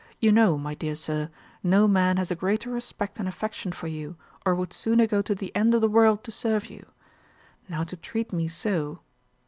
You know, my dear Sir, no man has a greater respect and affection for you, or would sooner go to the end of the world to serve you. Now to treat me so